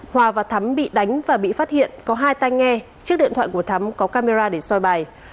hòa và thắm bị đánh và bị phát hiện có hai tay nghe chiếc điện thoại của thắm có camera để soi bài